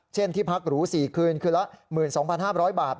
ที่พักหรู๔คืนคืนละ๑๒๕๐๐บาท